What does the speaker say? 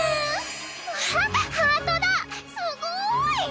わあっハートだすごーい！